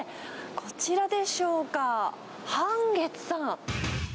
こちらでしょうか、半月さん。